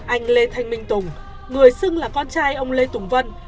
anh lê thanh minh tùng người xưng là con trai ông lê tùng vân